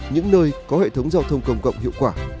những nơi có hệ thống giao thông công cộng hiệu quả